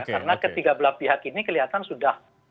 karena ketiga belah pihak ini kelihatan sudah